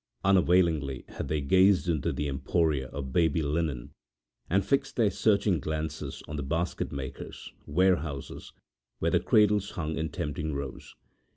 Unavailingly had they gazed into the emporia of baby linen, and fixed their searching glances on the basket makers' warehouses where the cradles hung in tempting rows.